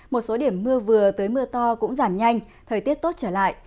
một số điểm mưa vừa tới mưa to cũng giảm nhanh thời tiết tốt trở lại